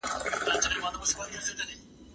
زه کولای سم اوبه پاک کړم؟!